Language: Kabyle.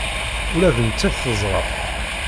Ula d nettat teẓra-t.